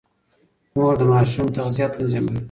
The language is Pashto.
مور د ماشوم تغذيه تنظيموي.